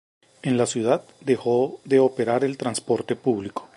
En la ciudad dejó de operar el transporte público.